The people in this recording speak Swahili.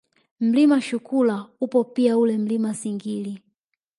Mlima Shukula upo pia ule Mlima Singiri